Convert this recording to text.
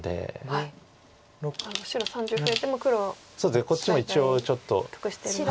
こっちも一応ちょっと得してるので。